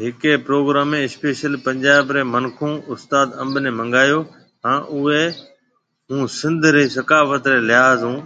ھيَََڪي پروگرام ۾ اسپيشل پنجاب ري منکون استاد انب ني منگايو ھان اوئي ھونسنڌ ري ثقافت ري لحاظ ۿون